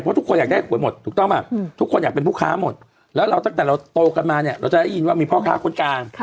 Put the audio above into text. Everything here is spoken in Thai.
เพราะทุกคนอยากได้หัวหมดถูกต้องมั้ยทุกคนอย่างเป็นผู้ค้าหมดและเราตั้งแต่เราโตกันมา